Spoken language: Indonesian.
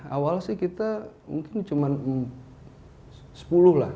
awal sih kita mungkin cuma sepuluh lah